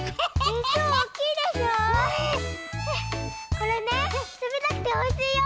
これねつめたくておいしいよ。